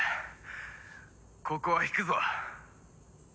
「ここは引くぞ」